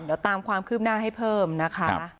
เดี๋ยวตามความคืบหน้าให้เพิ่มนะคะ